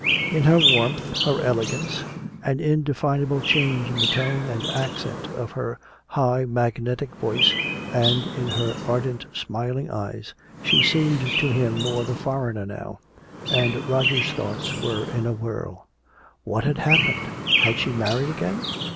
In her warmth, her elegance, an indefinable change in the tone and accent of her high magnetic voice, and in her ardent smiling eyes, she seemed to him more the foreigner now. And Roger's thoughts were in a whirl. What had happened? Had she married again?